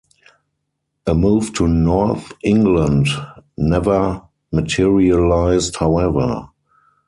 A move to north England never materialised however.